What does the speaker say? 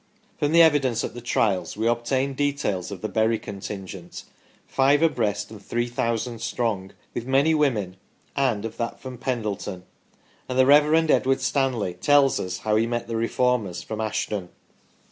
From the evidence at the Trials we obtain details of the Bury contingent, five abreast and 3000 strong, with many women, and of that from Pendleton ; and the Rev. Edward Stanley tells how he met the Reformers from Ashton.